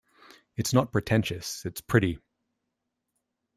It's not pretentious, it's pretty.